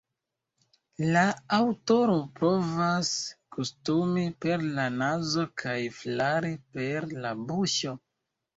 La aŭtoro provas gustumi per la nazo kaj flari per la buŝo.